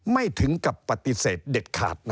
ไม่ถึงกับปฏิเสธเด็ดขาดนะ